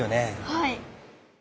はい。